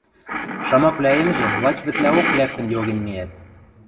Шамаквлӓэмжы лач вӹдлӓок лӓктӹн йоген миӓт